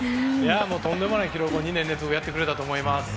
とんでもない記録を２年連続でやってくれたと思います。